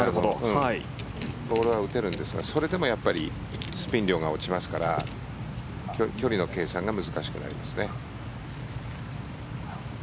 ボールは打てるんですがそれでもスピン量が落ちますから距離の計算が難しくなりますね。